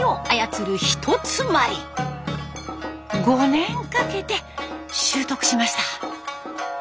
５年かけて習得しました。